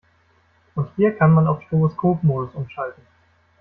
Und hier kann man auf Stroboskopmodus umschalten.